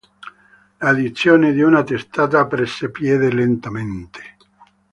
L'adozione di una testata prese piede lentamente.